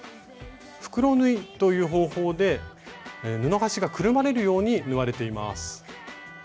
「袋縫い」という方法で布端がくるまれるように縫われています。